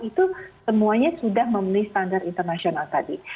itu semuanya sudah memenuhi standar internasional tadi